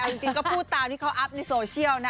แต่จริงก็พูดตามที่เขาอัพในโซเชียลนะ